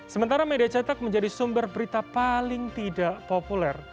sementara media cetak menjadi sumber berita paling tidak populer